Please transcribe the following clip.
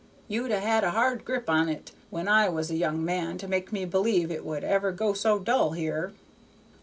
You'd 'a' had a hard grip on't when I was a young man to make me believe it would ever be so dull here.